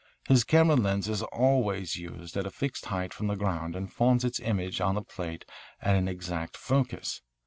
His camera lens is always used at a fixed height from the ground and forms its image on the plate at an exact focus.